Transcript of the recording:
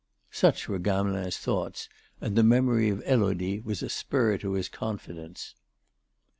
Such were Gamelin's thoughts, and the memory of Élodie was a spur to his confidence.